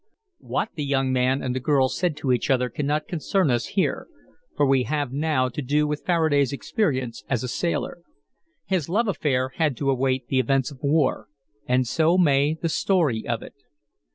What the young man and the girl said to each other cannot concern us here, for we have now to do with Faraday's experience as a sailor. His love affair had to await the events of war, and so may the story of it.